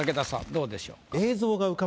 どうでしょうか？